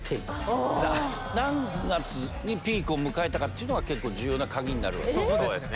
何月にピークを迎えたかっていうのは結構重要なカギになる。